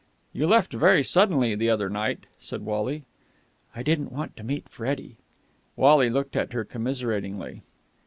"You left very suddenly the other night," said Wally. "I didn't want to meet Freddie." Wally looked at her commiseratingly.